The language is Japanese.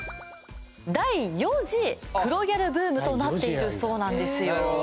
第４次黒ギャルブームとなっているそうなんですよ